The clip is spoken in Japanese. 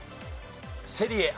セリエＡ。